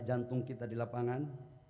jantung kita di lapangan